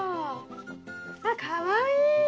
あっかわいい！